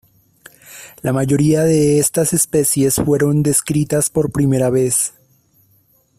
La mayoría de estas especies fueron descritas por primera vez.